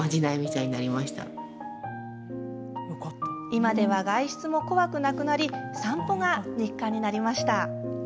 今では外出も怖くなくなり散歩が日課になりました。